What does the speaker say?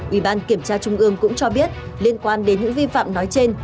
ủy ban kiểm tra trung ương cũng cho biết liên quan đến những vi phạm nói trên